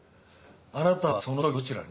あなたはそのときどちらに？